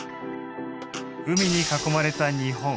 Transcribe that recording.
海に囲まれた日本。